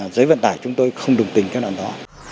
giới vận tải chúng tôi không đồng tình cái năng đó